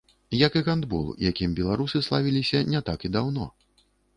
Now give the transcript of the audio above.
Як і гандбол, якім беларусы славіліся не так і даўно.